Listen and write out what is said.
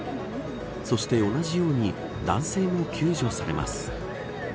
そして、同じように男性も救助されます。